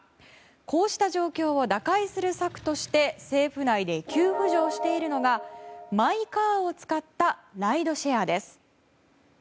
こうした状況を打開する策として政府内で急浮上しているのがマイカーを使ったライドシェアです。